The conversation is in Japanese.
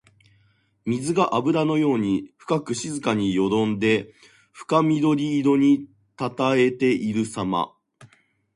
水があぶらのように深く静かによどんで深緑色にたたえているさま。